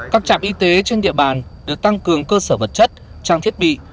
các trạm y tế trên địa bàn được tăng cường cơ sở vật chất trang thiết bị